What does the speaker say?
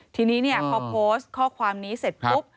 ทีนี้เนี่ยเขาโพสต์ข้อความนี้เสร็จปุ๊บ